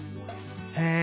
へえ。